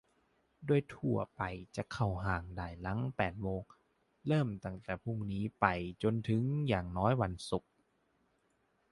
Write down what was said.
โดยคนทั่วไปจะเข้าห้างได้หลังแปดโมง เริ่มตั้งแต่พรุ่งนี้ไปจนถึงอย่างน้อยวันศุกร์